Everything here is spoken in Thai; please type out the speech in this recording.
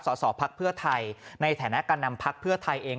สสพักเพื่อไทยในฐานะการนำพักเพื่อไทยเอง